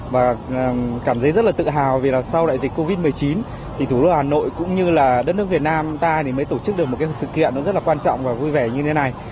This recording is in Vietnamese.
và cảm thấy rất là tự hào vì là sau đại dịch covid một mươi chín thì thủ đô hà nội cũng như là đất nước việt nam ta thì mới tổ chức được một cái sự kiện nó rất là quan trọng và vui vẻ như thế này